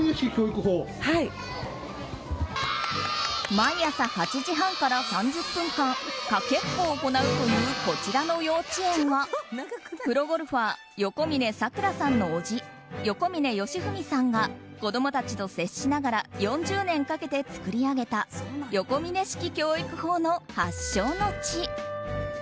毎朝８時半から３０分間かけっこを行うというこちらの幼稚園はプロゴルファー横峯さくらさんの伯父・横峯吉文さんが子供たちと接しながら４０年かけて作り上げたヨコミネ式教育法の発祥の地。